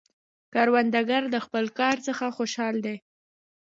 کروندګر د خپل کار څخه خوشحال دی